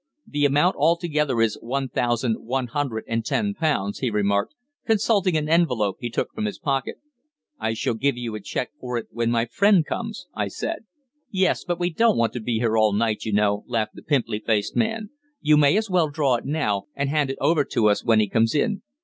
"The amount altogether is one thousand one hundred and ten pounds," he remarked, consulting an envelope he took from his pocket. "I shall give you a cheque for it when my friend comes," I said. "Yes, but we don't want to be here all night, you know," laughed the pimply faced man. "You may as well draw it now, and hand it over to us when he comes in."